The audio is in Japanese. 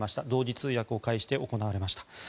同時通訳を介して行われました。